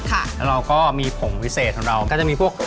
แล้วเราก็มีผงวิเศษของเราก็จะมีพวก